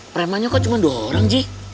preman nya kok cuma dua orang ji